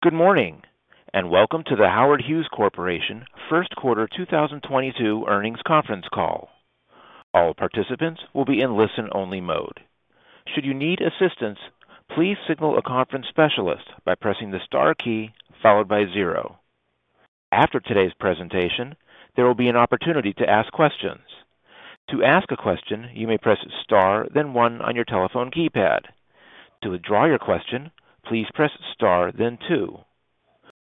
Good morning, and welcome to the Howard Hughes Corporation first quarter 2022 earnings conference call. All participants will be in listen-only mode. Should you need assistance, please signal a conference specialist by pressing the star key followed by zero. After today's presentation, there will be an opportunity to ask questions. To ask a question, you may press star then one on your telephone keypad. To withdraw your question, please press star then two.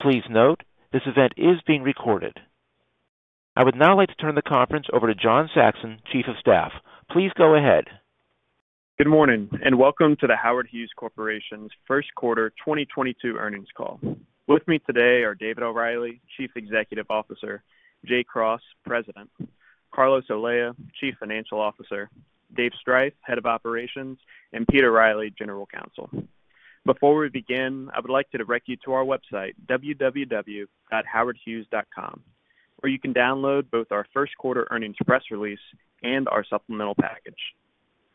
Please note, this event is being recorded. I would now like to turn the conference over to John Saxon, Chief of Staff. Please go ahead. Good morning, and welcome to the Howard Hughes Corporation's first quarter 2022 earnings call. With me today are David O'Reilly, Chief Executive Officer, Jay Cross, President, Carlos Olea, Chief Financial Officer, Dave Striph, Head of Operations, and Peter Riley, General Counsel. Before we begin, I would like to direct you to our website, www.howardhughes.com, where you can download both our first quarter earnings press release and our supplemental package.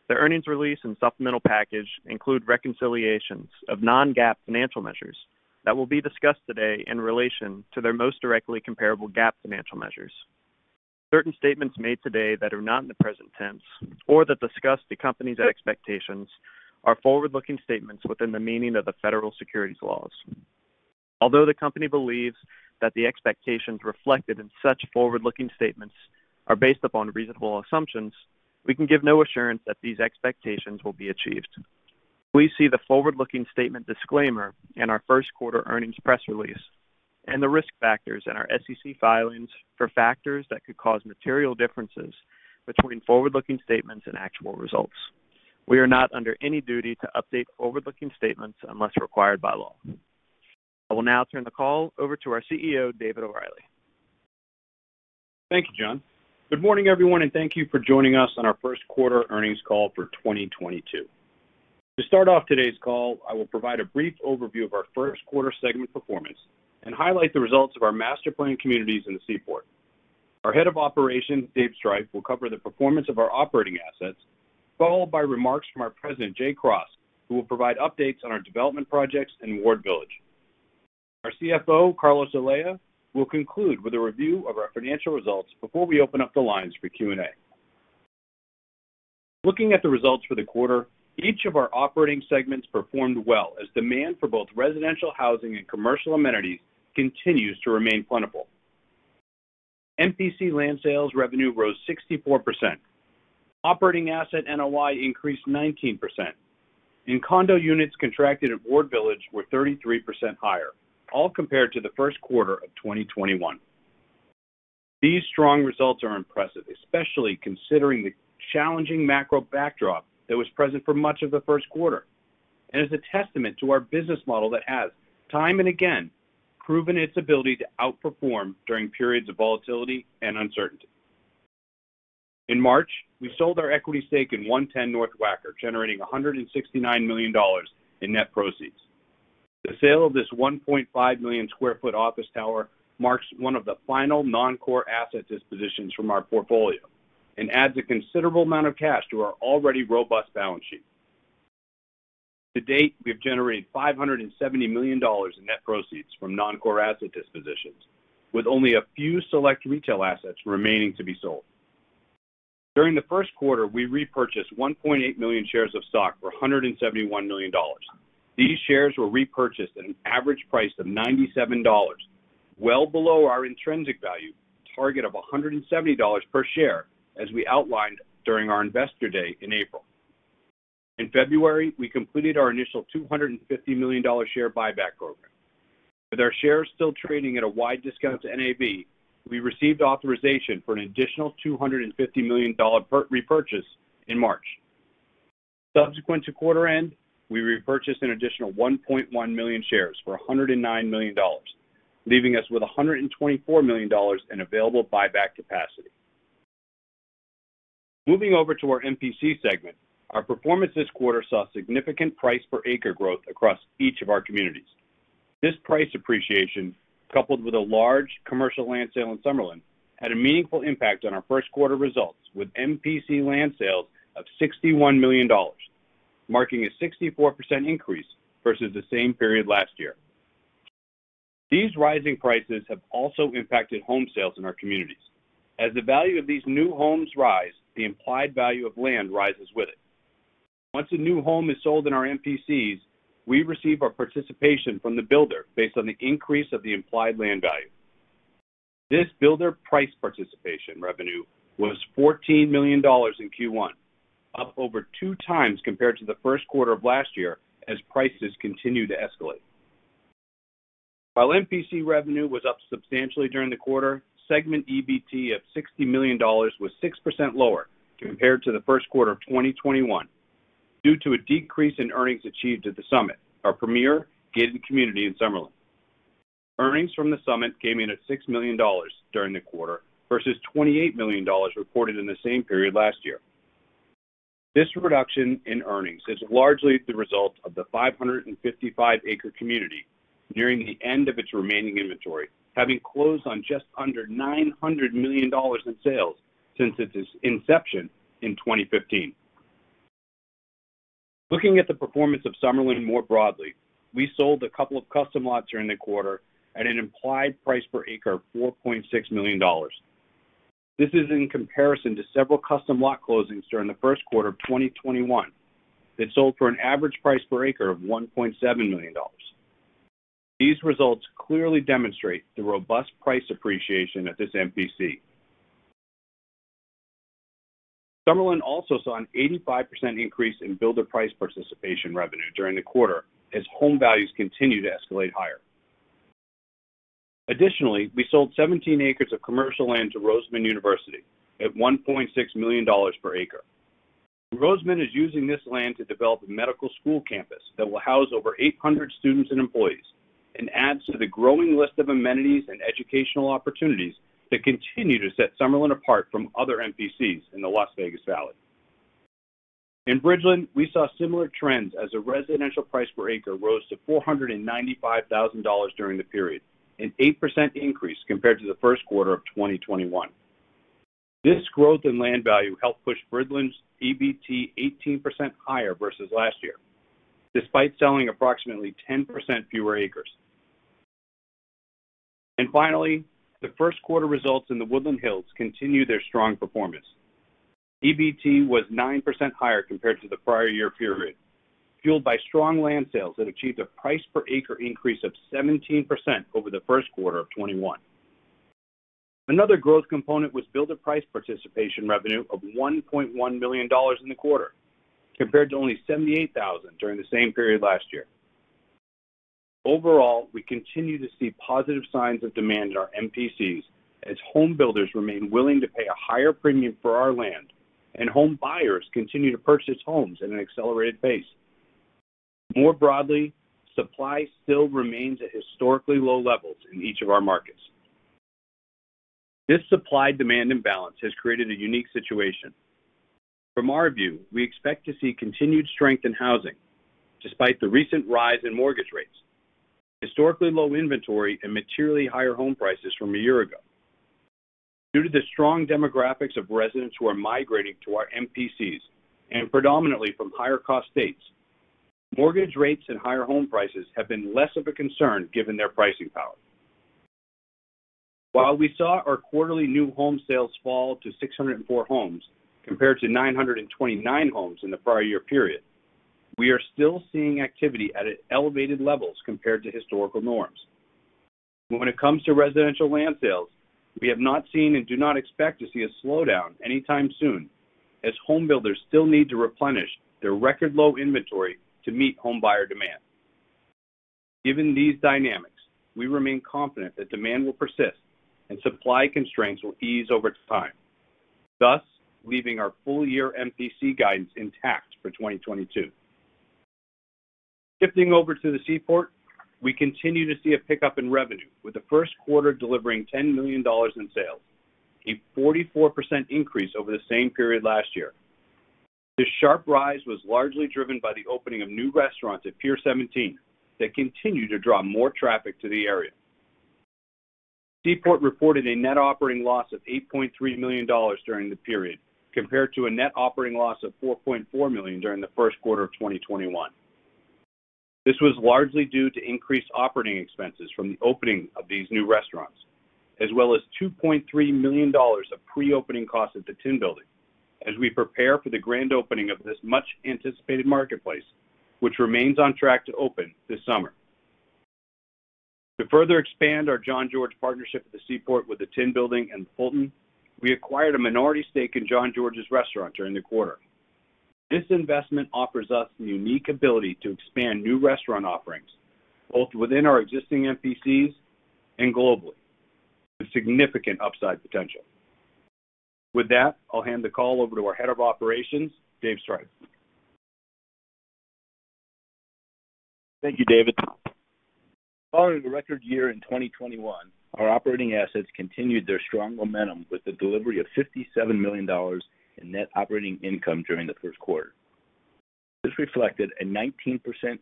The earnings release and supplemental package include reconciliations of non-GAAP financial measures that will be discussed today in relation to their most directly comparable GAAP financial measures. Certain statements made today that are not in the present tense or that discuss the company's expectations are forward-looking statements within the meaning of the federal securities laws. Although the company believes that the expectations reflected in such forward-looking statements are based upon reasonable assumptions, we can give no assurance that these expectations will be achieved. Please see the forward-looking statement disclaimer in our first quarter earnings press release and the risk factors in our SEC filings for factors that could cause material differences between forward-looking statements and actual results. We are not under any duty to update forward-looking statements unless required by law. I will now turn the call over to our CEO, David O'Reilly. Thank you, John. Good morning, everyone, and thank you for joining us on our first quarter earnings call for 2022. To start off today's call, I will provide a brief overview of our first quarter segment performance and highlight the results of our master planned communities in the Seaport. Our Head of Operations, Dave Striph, will cover the performance of our operating assets, followed by remarks from our President, Jay Cross, who will provide updates on our development projects in Ward Village. Our CFO, Carlos Olea, will conclude with a review of our financial results before we open up the lines for Q&A. Looking at the results for the quarter, each of our operating segments performed well as demand for both residential housing and commercial amenities continues to remain plentiful. MPC land sales revenue rose 64%. Operating asset NOI increased 19%, and condo units contracted at Ward Village were 33% higher, all compared to the first quarter of 2021. These strong results are impressive, especially considering the challenging macro backdrop that was present for much of the first quarter, and is a testament to our business model that has, time and again, proven its ability to outperform during periods of volatility and uncertainty. In March, we sold our equity stake in 110 North Wacker, generating $169 million in net proceeds. The sale of this 1.5 million sq ft office tower marks one of the final non-core asset dispositions from our portfolio and adds a considerable amount of cash to our already robust balance sheet. To date, we have generated $570 million in net proceeds from non-core asset dispositions, with only a few select retail assets remaining to be sold. During the first quarter, we repurchased 1.8 million shares of stock for $171 million. These shares were repurchased at an average price of $97, well below our intrinsic value target of $170 per share, as we outlined during our Investor Day in April. In February, we completed our initial $250 million share buyback program. With our shares still trading at a wide discount to NAV, we received authorization for an additional $250 million repurchase in March. Subsequent to quarter end, we repurchased an additional 1.1 million shares for $109 million, leaving us with $124 million in available buyback capacity. Moving over to our MPC segment, our performance this quarter saw significant price per acre growth across each of our communities. This price appreciation, coupled with a large commercial land sale in Summerlin, had a meaningful impact on our first quarter results with MPC land sales of $61 million, marking a 64% increase versus the same period last year. These rising prices have also impacted home sales in our communities. As the value of these new homes rise, the implied value of land rises with it. Once a new home is sold in our MPCs, we receive our participation from the builder based on the increase of the implied land value. This builder price participation revenue was $14 million in Q1, up over 2x compared to the first quarter of last year as prices continue to escalate. While MPC revenue was up substantially during the quarter, segment EBT of $60 million was 6% lower compared to the first quarter of 2021 due to a decrease in earnings achieved at The Summit, our premier gated community in Summerlin. Earnings from The Summit came in at $6 million during the quarter versus $28 million reported in the same period last year. This reduction in earnings is largely the result of the 555-acre community nearing the end of its remaining inventory, having closed on just under $900 million in sales since its inception in 2015. Looking at the performance of Summerlin more broadly, we sold a couple of custom lots during the quarter at an implied price per acre of $4.6 million. This is in comparison to several custom lot closings during the first quarter of 2021 that sold for an average price per acre of $1.7 million. These results clearly demonstrate the robust price appreciation at this MPC. Summerlin also saw an 85% increase in builder price participation revenue during the quarter as home values continue to escalate higher. Additionally, we sold 17 acres of commercial land to Roseman University at $1.6 million per acre. Roseman is using this land to develop a medical school campus that will house over 800 students and employees, and adds to the growing list of amenities and educational opportunities that continue to set Summerlin apart from other MPCs in the Las Vegas Valley. In Bridgeland, we saw similar trends as a residential price per acre rose to $495,000 during the period, an 8% increase compared to the first quarter of 2021. This growth in land value helped push Bridgeland's EBT 18% higher versus last year, despite selling approximately 10% fewer acres. Finally, the first quarter results in The Woodlands Hills continue their strong performance. EBT was 9% higher compared to the prior year period, fueled by strong land sales that achieved a price per acre increase of 17% over the first quarter of 2021. Another growth component was builder price participation revenue of $1.1 million in the quarter, compared to only $78,000 during the same period last year. Overall, we continue to see positive signs of demand in our MPCs as home builders remain willing to pay a higher premium for our land, and home buyers continue to purchase homes at an accelerated pace. More broadly, supply still remains at historically low levels in each of our markets. This supply-demand imbalance has created a unique situation. From our view, we expect to see continued strength in housing despite the recent rise in mortgage rates. Historically low inventory and materially higher home prices from a year ago. Due to the strong demographics of residents who are migrating to our MPCs, and predominantly from higher cost states, mortgage rates and higher home prices have been less of a concern given their pricing power. While we saw our quarterly new home sales fall to 604 homes compared to 929 homes in the prior year period, we are still seeing activity at elevated levels compared to historical norms. When it comes to residential land sales, we have not seen and do not expect to see a slowdown anytime soon as home builders still need to replenish their record low inventory to meet home buyer demand. Given these dynamics, we remain confident that demand will persist and supply constraints will ease over time, thus leaving our full year MPC guidance intact for 2022. Shifting over to the Seaport, we continue to see a pickup in revenue with the first quarter delivering $10 million in sales, a 44% increase over the same period last year. This sharp rise was largely driven by the opening of new restaurants at Pier 17 that continue to draw more traffic to the area. Seaport reported a net operating loss of $8.3 million during the period, compared to a net operating loss of $4.4 million during the first quarter of 2021. This was largely due to increased operating expenses from the opening of these new restaurants, as well as $2.3 million of pre-opening costs at the Tin Building as we prepare for the grand opening of this much-anticipated marketplace, which remains on track to open this summer. To further expand our Jean-Georges partnership at the Seaport with the Tin Building and Fulton, we acquired a minority stake in Jean-Georges's restaurant during the quarter. This investment offers us the unique ability to expand new restaurant offerings both within our existing MPCs and globally with significant upside potential. With that, I'll hand the call over to our head of operations, Dave Striph. Thank you, David. Following a record year in 2021, our operating assets continued their strong momentum with the delivery of $57 million in net operating income during the first quarter. This reflected a 19%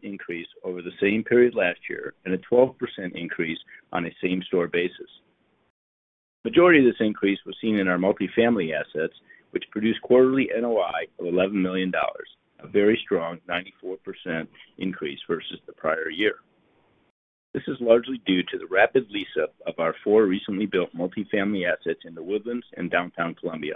increase over the same period last year, and a 12% increase on a same-store basis. Majority of this increase was seen in our multifamily assets, which produced quarterly NOI of $11 million, a very strong 94% increase versus the prior year. This is largely due to the rapid lease-up of our four recently built multifamily assets in The Woodlands and downtown Columbia.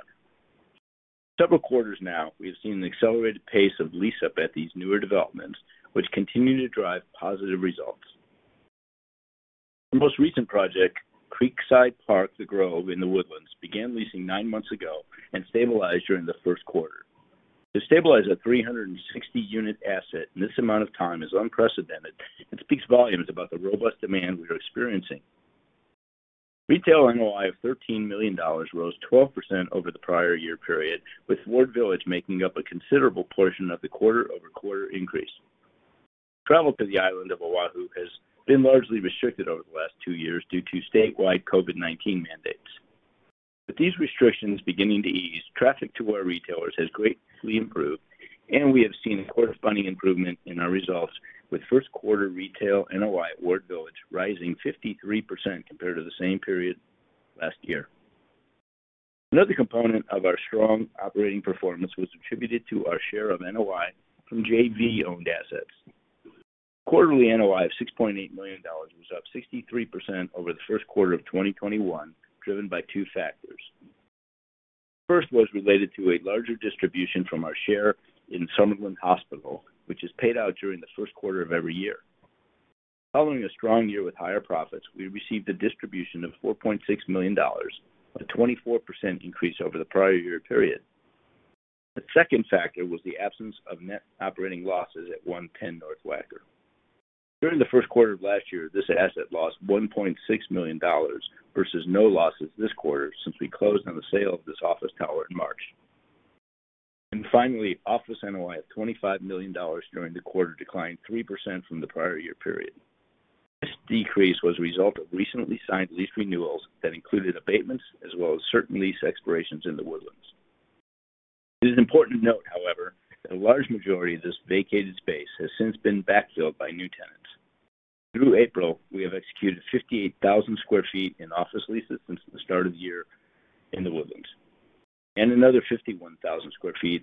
Several quarters now, we have seen an accelerated pace of lease-up at these newer developments, which continue to drive positive results. Our most recent project, Creekside Park The Grove in The Woodlands, began leasing nine months ago and stabilized during the first quarter. To stabilize a 360-unit asset in this amount of time is unprecedented and speaks volumes about the robust demand we are experiencing. Retail NOI of $13 million rose 12% over the prior year period, with Ward Village making up a considerable portion of the quarter-over-quarter increase. Travel to the island of Oahu has been largely restricted over the last two years due to statewide COVID-19 mandates. With these restrictions beginning to ease, traffic to our retailers has greatly improved, and we have seen a corresponding improvement in our results with first quarter retail NOI at Ward Village rising 53% compared to the same period last year. Another component of our strong operating performance was attributed to our share of NOI from JV owned assets. Quarterly NOI of $60.8 million was up 63% over the first quarter of 2021, driven by two factors. First was related to a larger distribution from our share in Summerlin Hospital, which is paid out during the first quarter of every year. Following a strong year with higher profits, we received a distribution of $4.6 million, a 24% increase over the prior year period. The second factor was the absence of net operating losses at 110 North Wacker. During the first quarter of last year, this asset lost $1.6 million versus no losses this quarter since we closed on the sale of this office tower in March. Finally, office NOI of $25 million during the quarter declined 3% from the prior year period. This decrease was a result of recently signed lease renewals that included abatements as well as certain lease expirations in The Woodlands. It is important to note, however, that a large majority of this vacated space has since been backfilled by new tenants. Through April, we have executed 58,000 sq ft in office leases since the start of the year in The Woodlands, and another 51,000 sq ft of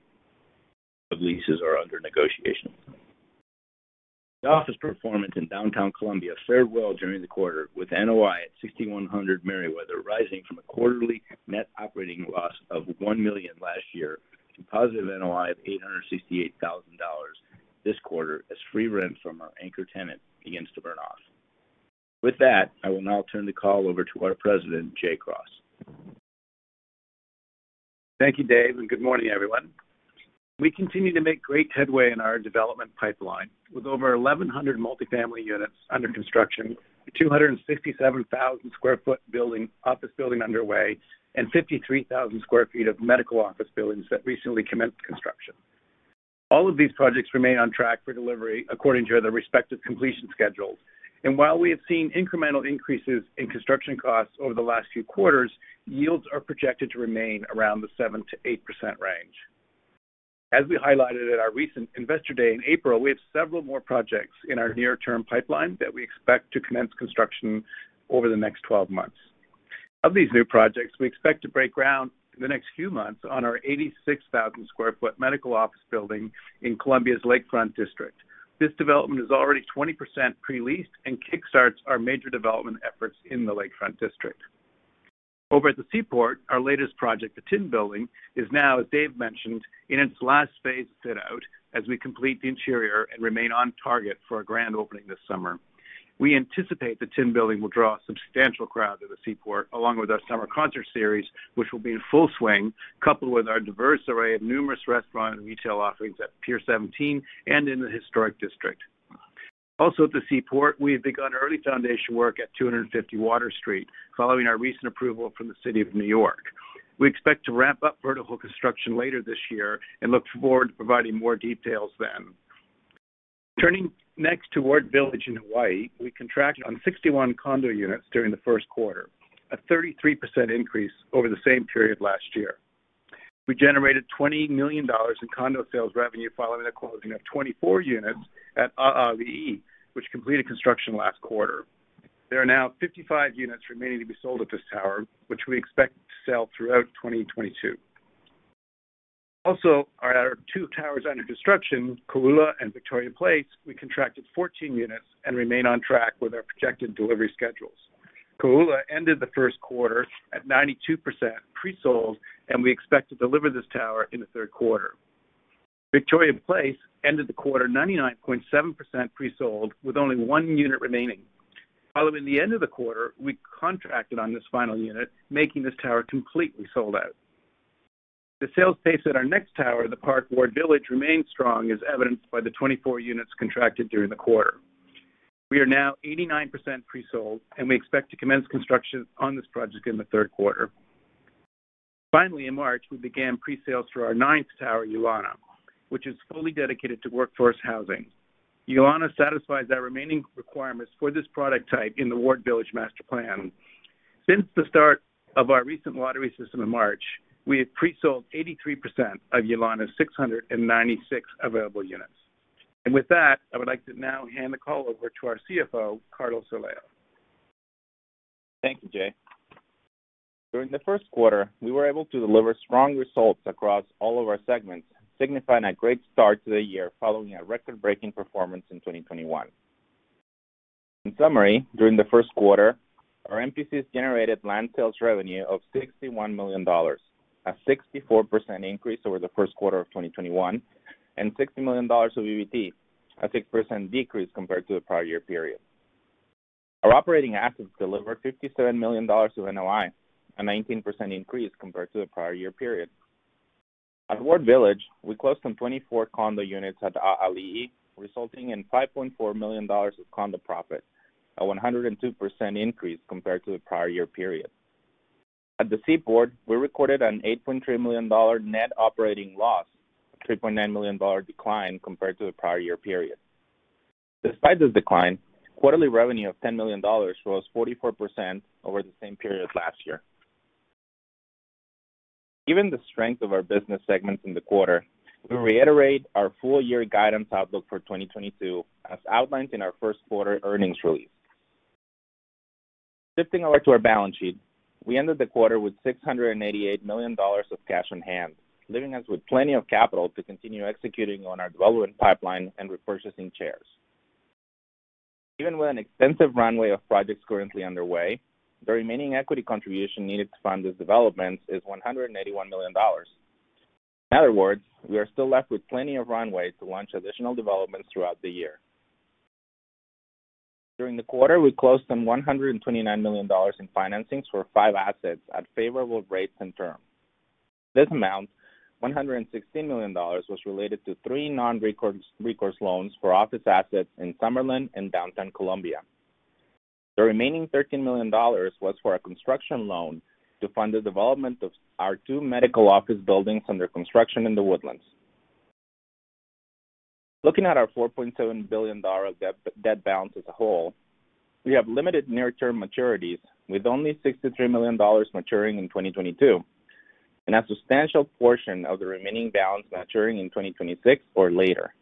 leases are under negotiation. The office performance in downtown Columbia fared well during the quarter, with NOI at 6100 Merriweather rising from a quarterly net operating loss of $1 million last year to positive NOI of $868,000 this quarter as free rent from our anchor tenant begins to burn off. With that, I will now turn the call over to our President, Jay Cross. Thank you, Dave, and good morning, everyone. We continue to make great headway in our development pipeline with over 1,100 multi-family units under construction, a 267,000 sq ft office building underway, and 53,000 sq ft of medical office buildings that recently commenced construction. All of these projects remain on track for delivery according to their respective completion schedules. While we have seen incremental increases in construction costs over the last few quarters, yields are projected to remain around the 7%-8% range. As we highlighted at our recent Investor Day in April, we have several more projects in our near-term pipeline that we expect to commence construction over the next 12 months. Of these new projects, we expect to break ground in the next few months on our 86,000 sq ft medical office building in Columbia's Lakefront District. This development is already 20% pre-leased and kickstarts our major development efforts in the Lakefront District. Over at the Seaport, our latest project, the Tin Building, is now, as Dave mentioned, in its last phase fit out as we complete the interior and remain on target for a grand opening this summer. We anticipate the Tin Building will draw a substantial crowd to the Seaport, along with our summer concert series, which will be in full swing, coupled with our diverse array of numerous restaurant and retail offerings at Pier 17 and in the Historic District. Also at the Seaport, we have begun early foundation work at 250 Water Street following our recent approval from the City of New York. We expect to ramp up vertical construction later this year and look forward to providing more details then. Turning next to Ward Village in Hawaii, we contracted on 61 condo units during the first quarter, a 33% increase over the same period last year. We generated $20 million in condo sales revenue following the closing of 24 units at A’ali’i, which completed construction last quarter. There are now 55 units remaining to be sold at this tower, which we expect to sell throughout 2022. Also, at our two towers under construction, Kō'ula and Victoria Place, we contracted 14 units and remain on track with our projected delivery schedules. Kō'ula ended the first quarter at 92% pre-sold, and we expect to deliver this tower in the third quarter. Victoria Place ended the quarter 99.7% pre-sold with only one unit remaining. Following the end of the quarter, we contracted on this final unit, making this tower completely sold out. The sales pace at our next tower, The Park Ward Village, remains strong, as evidenced by the 24 units contracted during the quarter. We are now 89% pre-sold, and we expect to commence construction on this project in the third quarter. Finally, in March, we began pre-sales for our ninth tower, Ulana, which is fully dedicated to workforce housing. Ulana satisfies our remaining requirements for this product type in the Ward Village master plan. Since the start of our recent lottery system in March, we have pre-sold 83% of Ulana's 696 available units. With that, I would like to now hand the call over to our CFO, Carlos Olea. Thank you, Jay. During the first quarter, we were able to deliver strong results across all of our segments, signifying a great start to the year following a record-breaking performance in 2021. In summary, during the first quarter, our MPCs generated land sales revenue of $61 million, a 64% increase over the first quarter of 2021, and $60 million of EBT, a 6% decrease compared to the prior year period. Our operating assets delivered $57 million of NOI, a 19% increase compared to the prior year period. At Ward Village, we closed on 24 condo units at A’ali’i, resulting in $5.4 million of condo profit, a 102% increase compared to the prior year period. At the Seaport, we recorded an $8.3 million net operating loss, a $3.9 million decline compared to the prior year period. Despite this decline, quarterly revenue of $10 million was 44% over the same period last year. Given the strength of our business segments in the quarter, we reiterate our full year guidance outlook for 2022 as outlined in our first quarter earnings release. Shifting over to our balance sheet, we ended the quarter with $688 million of cash on hand, leaving us with plenty of capital to continue executing on our development pipeline and repurchasing shares. Even with an extensive runway of projects currently underway, the remaining equity contribution needed to fund these developments is $181 million. In other words, we are still left with plenty of runway to launch additional developments throughout the year. During the quarter, we closed some $129 million in financings for five assets at favorable rates and terms. This amount, $160 million, was related to three non-recourse loans for office assets in Summerlin and downtown Columbia. The remaining $13 million was for a construction loan to fund the development of our two medical office buildings under construction in The Woodlands. Looking at our $4.7 billion of debt balance as a whole, we have limited near-term maturities, with only $63 million maturing in 2022, and a substantial portion of the remaining balance maturing in 2026 or later.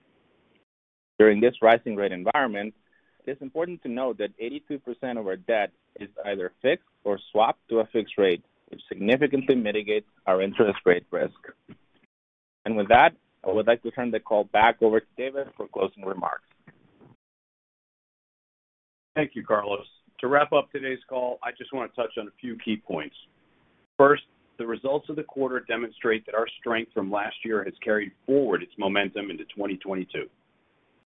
During this rising rate environment, it is important to note that 82% of our debt is either fixed or swapped to a fixed rate, which significantly mitigates our interest rate risk. With that, I would like to turn the call back over to David for closing remarks. Thank you, Carlos. To wrap up today's call, I just want to touch on a few key points. First, the results of the quarter demonstrate that our strength from last year has carried forward its momentum into 2022,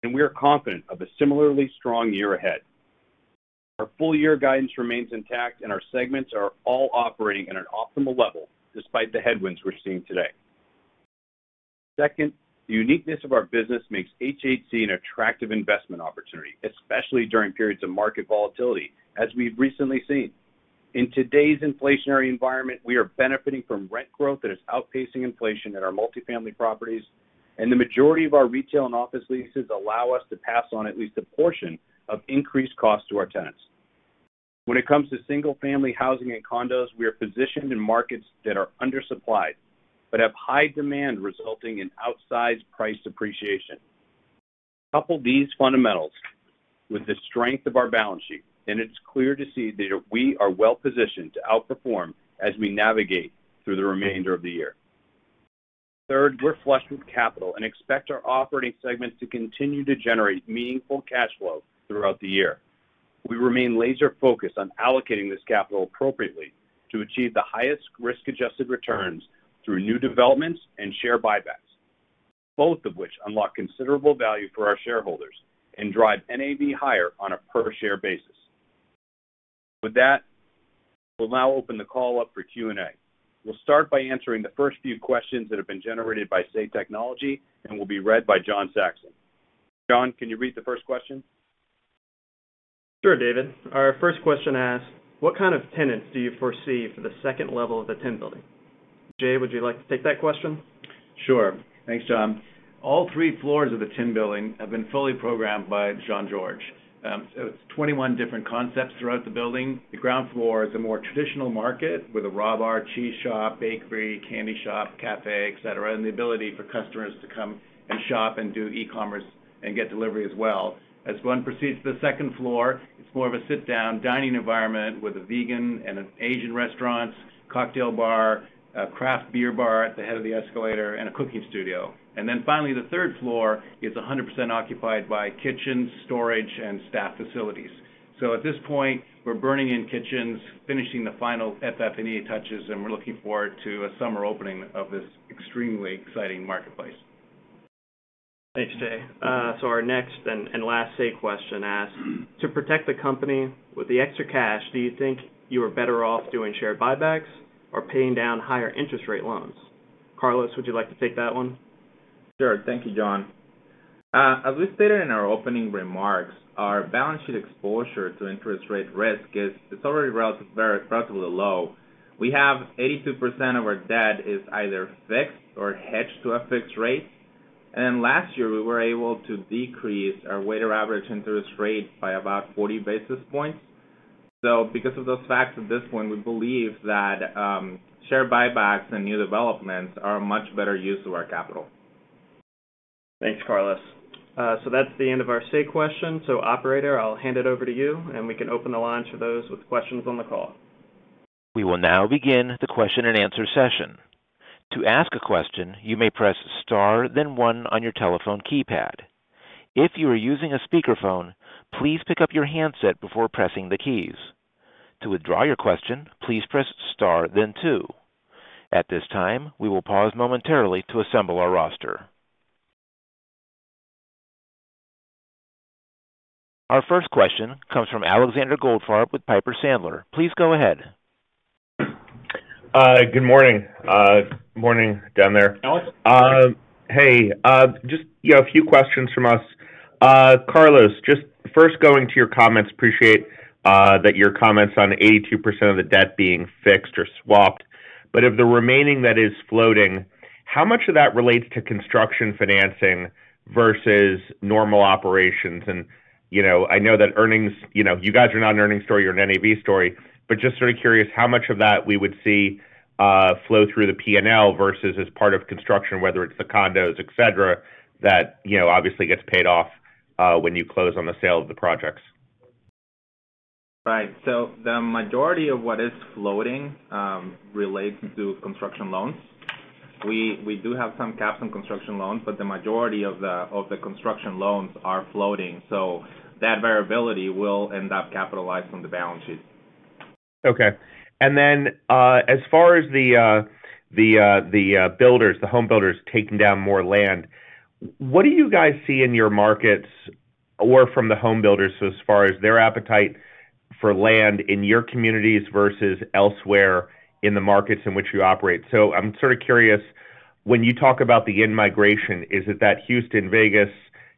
and we are confident of a similarly strong year ahead. Our full year guidance remains intact, and our segments are all operating at an optimal level despite the headwinds we're seeing today. Second, the uniqueness of our business makes HHC an attractive investment opportunity, especially during periods of market volatility, as we've recently seen. In today's inflationary environment, we are benefiting from rent growth that is outpacing inflation in our multifamily properties, and the majority of our retail and office leases allow us to pass on at least a portion of increased costs to our tenants. When it comes to single-family housing and condos, we are positioned in markets that are undersupplied but have high demand resulting in outsized price appreciation. Couple these fundamentals with the strength of our balance sheet, and it's clear to see that we are well-positioned to outperform as we navigate through the remainder of the year. Third, we're flushed with capital and expect our operating segments to continue to generate meaningful cash flow throughout the year. We remain laser-focused on allocating this capital appropriately to achieve the highest risk-adjusted returns through new developments and share buybacks, both of which unlock considerable value for our shareholders and drive NAV higher on a per-share basis. With that, we'll now open the call up for Q&A. We'll start by answering the first few questions that have been generated by Say Technologies and will be read by John Saxon. John, can you read the first question? Sure, David. Our first question asks, "What kind of tenants do you foresee for the second level of the Tin Building?" Jay, would you like to take that question? Sure. Thanks, John. All three floors of the Tin Building have been fully programmed by Jean-Georges. It's 21 different concepts throughout the building. The ground floor is a more traditional market with a raw bar, cheese shop, bakery, candy shop, cafe, et cetera, and the ability for customers to come and shop and do e-commerce and get delivery as well. As one proceeds to the second floor, it's more of a sit-down dining environment with a vegan and an Asian restaurant, cocktail bar, a craft beer bar at the head of the escalator, and a cooking studio. Finally, the third floor is 100% occupied by kitchens, storage, and staff facilities. At this point, we're burning in kitchens, finishing the final FF&E touches, and we're looking forward to a summer opening of this extremely exciting marketplace. Thanks, Jay. Our next and last SAY question asks, "To protect the company with the extra cash, do you think you are better off doing share buybacks or paying down higher interest rate loans?" Carlos, would you like to take that one? Sure. Thank you, John. As we stated in our opening remarks, our balance sheet exposure to interest rate risk is it's already relatively low. We have 82% of our debt is either fixed or hedged to a fixed rate. Last year, we were able to decrease our weighted average interest rate by about 40 basis points. Because of those facts at this point, we believe that, share buybacks and new developments are a much better use of our capital. Thanks, Carlos. That's the end of our SAY questions. Operator, I'll hand it over to you, and we can open the line to those with questions on the call. We will now begin the question-and-answer session. To ask a question, you may press star then one on your telephone keypad. If you are using a speakerphone, please pick up your handset before pressing the keys. To withdraw your question, please press star then two. At this time, we will pause momentarily to assemble our roster. Our first question comes from Alexander Goldfarb with Piper Sandler. Please go ahead. Good morning. Good morning down there. Alex. Hey, just, you know, a few questions from us. Carlos, just first going to your comments, appreciate that your comments on 82% of the debt being fixed or swapped. Of the remaining that is floating, how much of that relates to construction financing versus normal operations? You know, I know that earnings. You know, you guys are not an earnings story, you're an NAV story. Just sort of curious how much of that we would see flow through the P&L versus as part of construction, whether it's the condos, et cetera, that, you know, obviously gets paid off when you close on the sale of the projects. Right. The majority of what is floating relates to construction loans. We do have some caps on construction loans, but the majority of the construction loans are floating, so that variability will end up capitalized on the balance sheet. Okay. As far as the builders, the homebuilders taking down more land, what do you guys see in your markets or from the homebuilders as far as their appetite for land in your communities versus elsewhere in the markets in which you operate? I'm sort of curious, when you talk about the in-migration, is it that Houston, Vegas,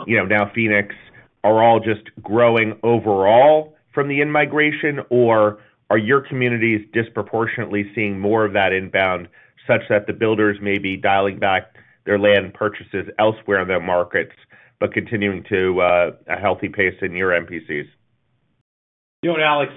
you know, now Phoenix are all just growing overall from the in-migration? Or are your communities disproportionately seeing more of that inbound such that the builders may be dialing back their land purchases elsewhere in their markets, but continuing to a healthy pace in your MPCs? You know what, Alex,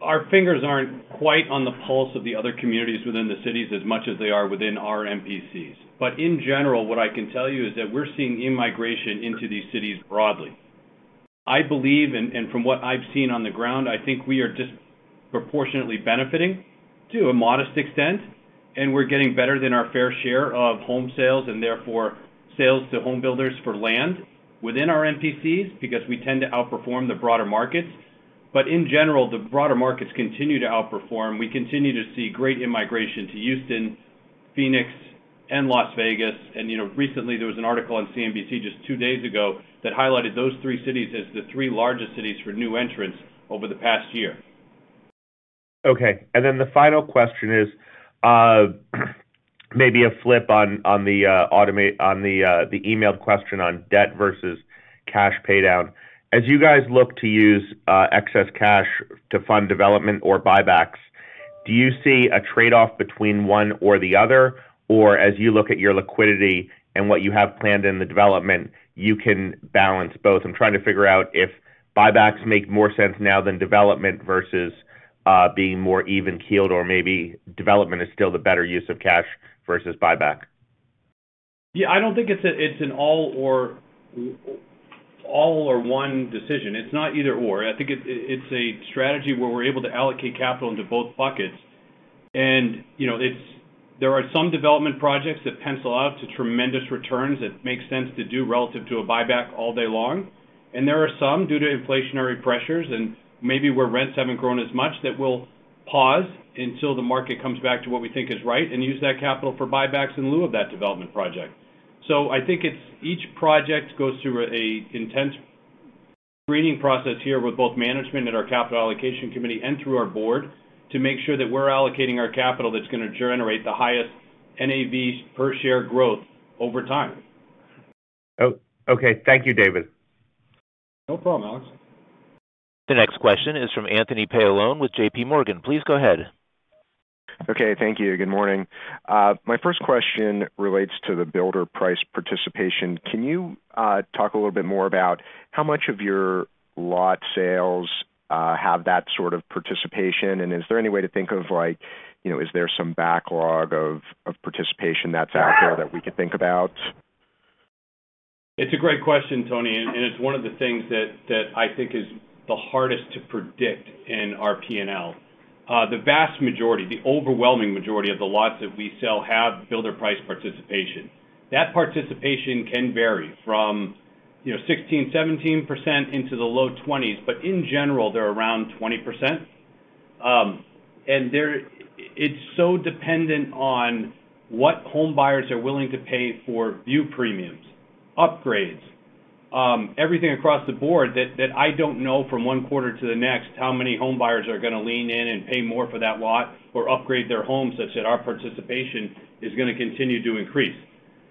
our fingers aren't quite on the pulse of the other communities within the cities as much as they are within our MPCs. In general, what I can tell you is that we're seeing in-migration into these cities broadly. I believe, and from what I've seen on the ground, I think we are disproportionately benefiting to a modest extent, and we're getting better than our fair share of home sales, and therefore sales to homebuilders for land within our MPCs because we tend to outperform the broader markets. In general, the broader markets continue to outperform. We continue to see great in-migration to Houston, Phoenix, and Las Vegas. You know, recently there was an article on CNBC just two days ago that highlighted those three cities as the three largest cities for new entrants over the past year. Okay. The final question is, maybe a flip on the email question on debt versus cash paydown. As you guys look to use excess cash to fund development or buybacks, do you see a trade-off between one or the other? Or as you look at your liquidity and what you have planned in the development, you can balance both. I'm trying to figure out if buybacks make more sense now than development versus being more even keeled or maybe development is still the better use of cash versus buyback. Yeah, I don't think it's an all-or-one decision. It's not either/or. I think it's a strategy where we're able to allocate capital into both buckets. You know, there are some development projects that pencil out to tremendous returns that make sense to do relative to a buyback all day long. There are some, due to inflationary pressures and maybe where rents haven't grown as much, that we'll pause until the market comes back to what we think is right and use that capital for buybacks in lieu of that development project. I think each project goes through an intense screening process here with both management and our capital allocation committee and through our board to make sure that we're allocating our capital that's gonna generate the highest NAV per share growth over time. Okay. Thank you, David. No problem, Alex. The next question is from Anthony Paolone with J.P. Morgan. Please go ahead. Okay. Thank you. Good morning. My first question relates to the builder price participation. Can you talk a little bit more about how much of your lot sales have that sort of participation? And is there any way to think of like, you know, is there some backlog of participation that's out there that we can think about? It's a great question, Tony, and it's one of the things that I think is the hardest to predict in our P&L. The vast majority, the overwhelming majority of the lots that we sell have builder price participation. That participation can vary from, you know, 16, 17% into the low 20s, but in general, they're around 20%. It's so dependent on what home buyers are willing to pay for view premiums, upgrades, everything across the board that I don't know from one quarter to the next how many home buyers are gonna lean in and pay more for that lot or upgrade their home such that our participation is gonna continue to increase.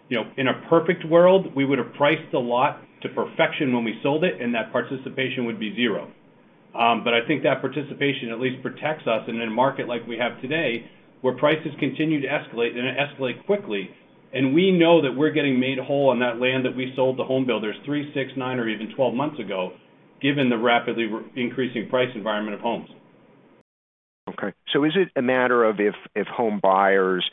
You know, in a perfect world, we would have priced a lot to perfection when we sold it, and that participation would be zero. I think that participation at least protects us in a market like we have today, where prices continue to escalate and escalate quickly, and we know that we're getting made whole on that land that we sold the homebuilders three, six, nine or even 12 months ago, given the rapidly increasing price environment of homes. Is it a matter of if home buyers,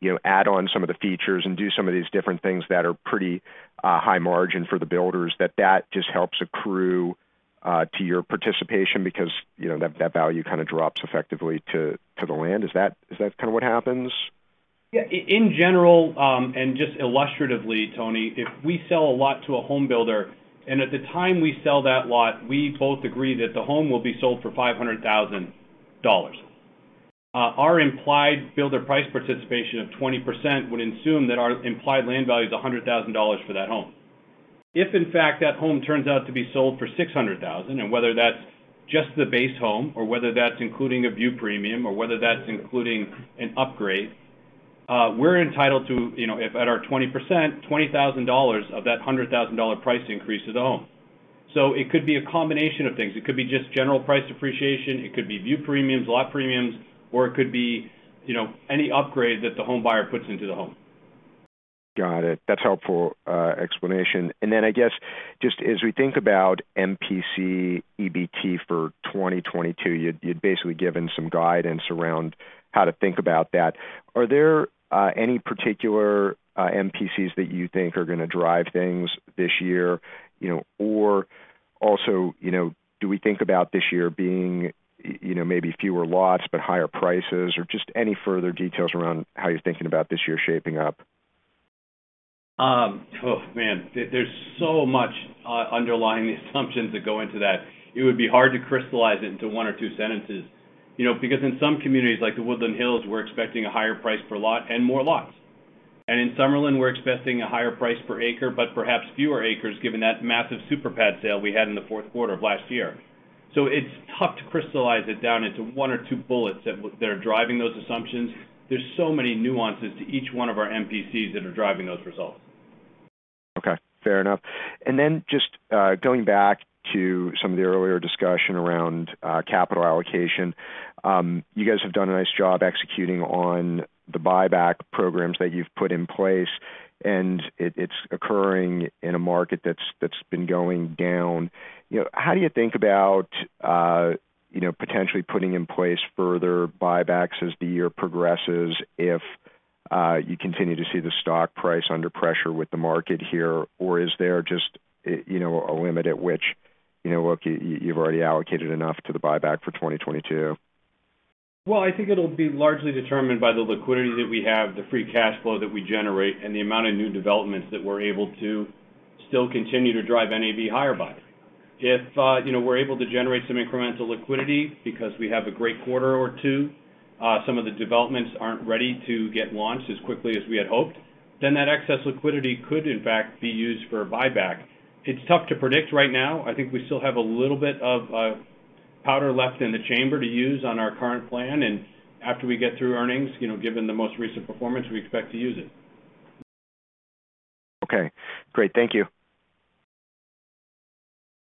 you know, add on some of the features and do some of these different things that are pretty high margin for the builders that just helps accrue to your participation because, you know, that value kind of drops effectively to the land? Is that kind of what happens? Yeah. In general, and just illustratively, Tony, if we sell a lot to a home builder and at the time we sell that lot, we both agree that the home will be sold for $500,000. Our implied builder price participation of 20% would assume that our implied land value is $100,000 for that home. If in fact that home turns out to be sold for $600,000, and whether that's just the base home or whether that's including a view premium or whether that's including an upgrade, we're entitled to, you know, if at our 20%, $20,000 of that $100,000 price increase to the home. It could be a combination of things. It could be just general price appreciation, it could be view premiums, lot premiums, or it could be, you know, any upgrade that the home buyer puts into the home. Got it. That's helpful explanation. Then I guess just as we think about MPC EBT for 2022, you'd basically given some guidance around how to think about that. Are there any particular MPCs that you think are gonna drive things this year, you know? Or also, you know, do we think about this year being, you know, maybe fewer lots but higher prices? Or just any further details around how you're thinking about this year shaping up. There's so much underlying the assumptions that go into that. It would be hard to crystallize it into one or two sentences, you know, because in some communities, like The Woodlands Hills, we're expecting a higher price per lot and more lots. In Summerlin, we're expecting a higher price per acre, but perhaps fewer acres, given that massive super pad sale we had in the fourth quarter of last year. It's tough to crystallize it down into one or two bullets that are driving those assumptions. There's so many nuances to each one of our MPCs that are driving those results. Okay, fair enough. Just going back to some of the earlier discussion around capital allocation. You guys have done a nice job executing on the buyback programs that you've put in place, and it's occurring in a market that's been going down. You know, how do you think about you know, potentially putting in place further buybacks as the year progresses if you continue to see the stock price under pressure with the market here, or is there just a you know, a limit at which you know, look, you've already allocated enough to the buyback for 2022? Well, I think it'll be largely determined by the liquidity that we have, the free cash flow that we generate, and the amount of new developments that we're able to still continue to drive NAV higher by. If you know, we're able to generate some incremental liquidity because we have a great quarter or two, some of the developments aren't ready to get launched as quickly as we had hoped, then that excess liquidity could in fact be used for a buyback. It's tough to predict right now. I think we still have a little bit of powder left in the chamber to use on our current plan. After we get through earnings, you know, given the most recent performance, we expect to use it. Okay, great. Thank you.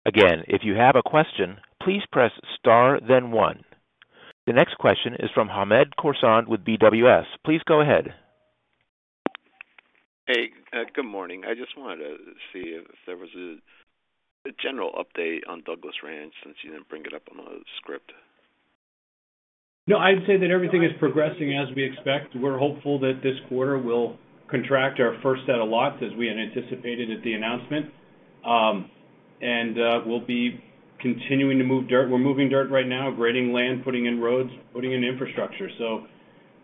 Again, if you have a question, please press star then one. The next question is from Hamed Khorsand with BWS. Please go ahead. Hey, good morning. I just wanted to see if there was a general update on Douglas Ranch since you didn't bring it up on the script. No, I'd say that everything is progressing as we expect. We're hopeful that this quarter will contract our first set of lots as we had anticipated at the announcement. We'll be continuing to move dirt. We're moving dirt right now, grading land, putting in roads, putting in infrastructure.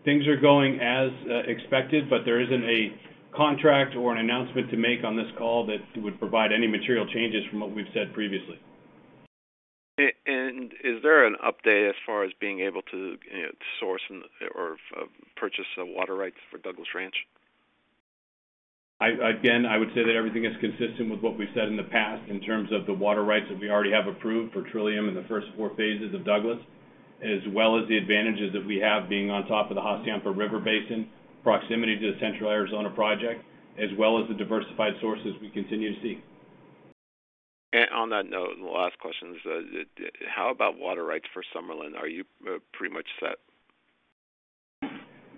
Things are going as expected, but there isn't a contract or an announcement to make on this call that would provide any material changes from what we've said previously. Is there an update as far as being able to, you know, source or purchase the water rights for Douglas Ranch? Again, I would say that everything is consistent with what we've said in the past in terms of the water rights that we already have approved for Trillium in the first four phases of Douglas, as well as the advantages that we have being on top of the Hassayampa River Basin, proximity to the Central Arizona Project, as well as the diversified sources we continue to seek. On that note, and the last question is, how about water rights for Summerlin? Are you pretty much set?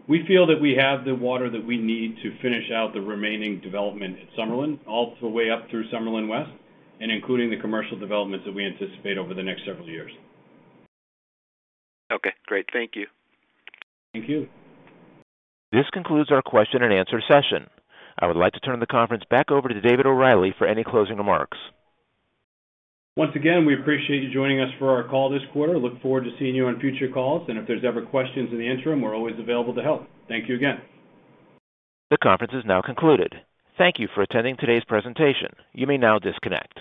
We feel that we have the water that we need to finish out the remaining development at Summerlin, all the way up through Summerlin West, and including the commercial developments that we anticipate over the next several years. Okay, great. Thank you. Thank you. This concludes our question-and-answer session. I would like to turn the conference back over to David O'Reilly for any closing remarks. Once again, we appreciate you joining us for our call this quarter. Look forward to seeing you on future calls, and if there's ever questions in the interim, we're always available to help. Thank you again. The conference is now concluded. Thank you for attending today's presentation. You may now disconnect.